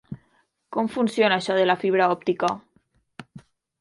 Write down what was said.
Com funciona això de la fibra òptica?